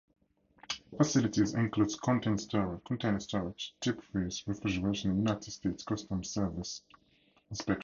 Facilities include container storage, deep-freeze, refrigeration and United States Customs Service inspection.